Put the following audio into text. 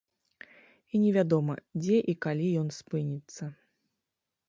І не вядома, дзе і калі ён спыніцца.